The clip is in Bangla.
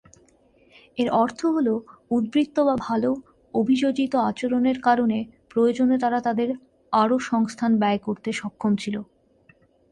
এর অর্থ হলো উদ্বৃত্ত বা ভাল অভিযোজিত আচরণের কারণে প্রয়োজনে তারা তাদের আরও সংস্থান ব্যয় করতে সক্ষম ছিল।